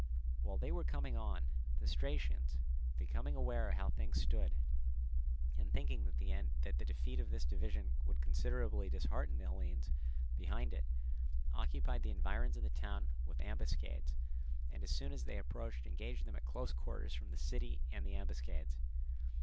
While they were coming on, the Stratians, becoming aware how things stood, and thinking that the defeat of this division would considerably dishearten the Hellenes behind it, occupied the environs of the town with ambuscades, and as soon as they approached engaged them at close quarters from the city and the ambuscades.